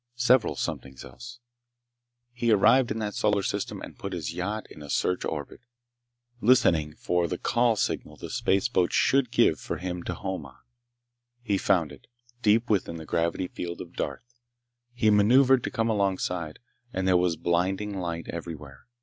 Several something elses. He arrived in that solar system and put his yacht in a search orbit, listening for the call signal the spaceboat should give for him to home on. He found it, deep within the gravity field of Darth. He maneuvered to come alongside, and there was blinding light everywhere.